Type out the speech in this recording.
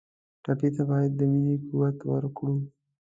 ټپي ته باید د مینې قوت ورکړو.